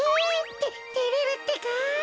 ててれるってか。